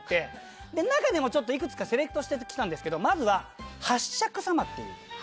で中でもちょっといくつかセレクトしてきたんですけどまずは八尺様っていう。